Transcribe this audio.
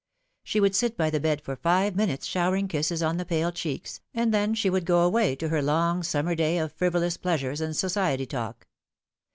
She would sit by the bed for five minutes showering kisses on the pale cheeks, and then she would go away to her long summer day of frivo lous pleasures and society talk.